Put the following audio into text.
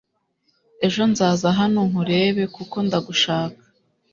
Ejo nzaza hano nkurebe kuko ndagushaka